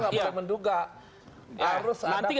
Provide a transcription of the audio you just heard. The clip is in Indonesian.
permohonan nggak boleh menduga